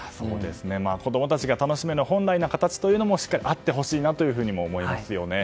子供たちが楽しめるような本来の形もあってほしいなと思いますよね。